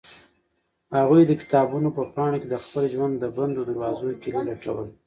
هغوی د کتابونو په پاڼو کې د خپل ژوند د بندو دروازو کیلي لټوله.